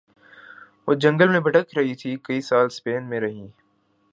وہ جنگل میں بھٹک رہی تھی کئی سال سپین میں رہیں